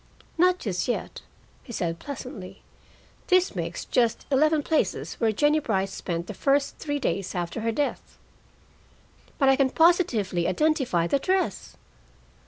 "Not just yet," he said pleasantly. "This makes just eleven places where Jennie Brice spent the first three days after her death." "But I can positively identify the dress."